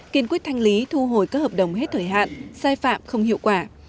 kiên quyết thanh lý thu hồi các hợp đồng hết thời hạn sai phạm không hiệu quả